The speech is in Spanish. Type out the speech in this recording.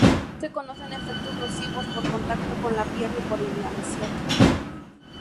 No se conocen efectos nocivos por contacto con la piel, ni por inhalación.